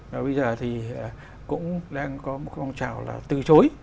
và bây giờ thì cũng đang có một phong trào là từ chối